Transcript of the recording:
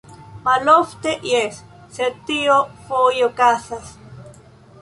Malofte, jes, sed tio foje okazas.